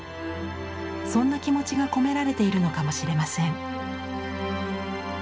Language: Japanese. そんな気持ちが込められているのかもしれません。